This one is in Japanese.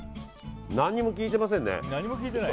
何も効いていませんね。